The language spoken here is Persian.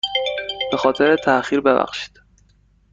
به خاطر تاخیر ببخشید.